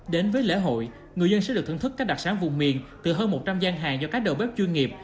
đến với lễ hội người dân sẽ được thưởng thức các đặc sản vùng miền từ hơn một trăm linh gian hàng do các đầu bếp chuyên nghiệp